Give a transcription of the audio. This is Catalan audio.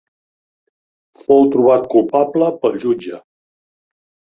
Fou trobat culpable pel jutge.